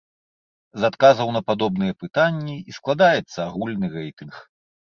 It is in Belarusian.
З адказаў на падобныя пытанні і складаецца агульны рэйтынг.